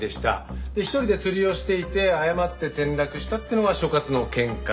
１人で釣りをしていて誤って転落したっていうのが所轄の見解。